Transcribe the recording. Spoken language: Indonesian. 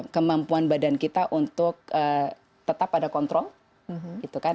kemampuan badan kita untuk tetap ada kontrol gitu kan